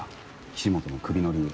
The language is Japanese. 岸本のクビの理由。